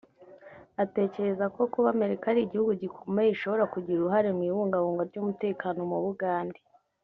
Atekereza ko kuba Amerika ari igihugu gikomeye ishobora kugira uruhare mu ibungabungwa ry’umutekano mu Bugande